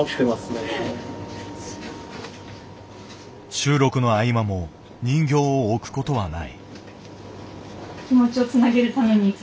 収録の合間も人形を置くことはない。